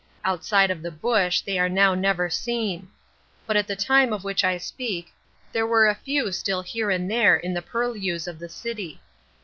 Outside of the bush, they are now never seen. But at the time of which I speak there were a few still here and there in the purlieus of the city.